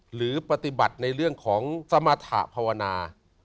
หรือปฏิบัติในเรื่องของสมรรถะภาวนา